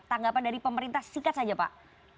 tanggapan dari pemerintah sikat saja pak